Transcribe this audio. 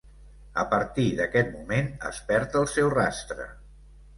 A partir d'aquest moment es perd el seu rastre.